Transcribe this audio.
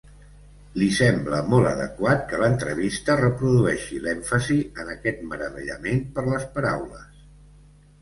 Li sembla molt adequat que l'entrevista reprodueixi l'èmfasi en aquest meravellament per les paraules.